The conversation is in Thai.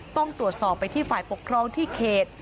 ต้องตรวจสอบไปที่ฝ่ายปกครองที่เขต